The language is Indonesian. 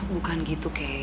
bukan gitu kek